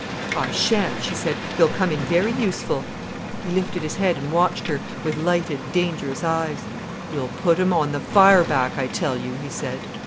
"I shan't," she said. "They'll come in very useful." He lifted his head and watched her, with lighted, dangerous eyes. "You'll put 'em on the fire back, I tell you," he said.